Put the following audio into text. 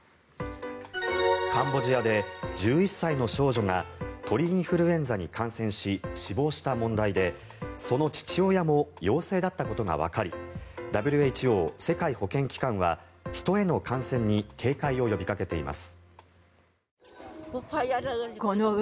カンボジアで１１歳の少女が鳥インフルエンザに感染し死亡した問題でその父親も陽性だったことがわかりＷＨＯ・世界保健機関は人への感染に警戒を呼びかけています。